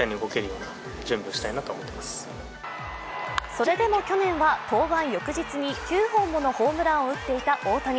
それでも、去年は登板翌日に９本ものホームランを打っていた大谷。